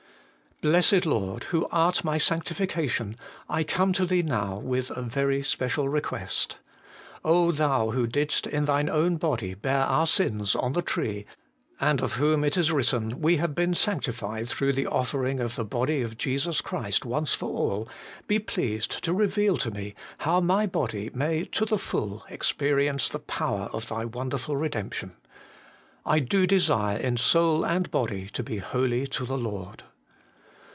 Blessed Lord ! who art my sanctification, I come to Thee now with a very special request*. Thou who didst in Thine own body bear our sins on the tree, and of whom it is written, ' We have been sanctified through the offering of the body of Jesus Christ once for all/ be pleased to reveal to me how my body may to the full experience the power of 208 HOLY IN CHRIST. Thy wonderful redemption. I do desire in soul and body to be holy to the Lord.